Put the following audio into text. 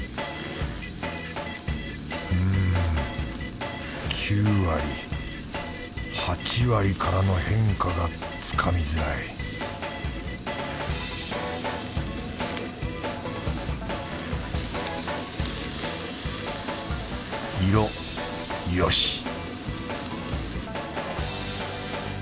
うん９割８割からの変化がつかみづらい色よし